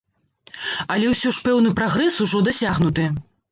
Але ўсё ж пэўны прагрэс ужо дасягнуты.